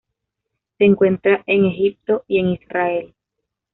Se encuentra en Egipto y en Israel.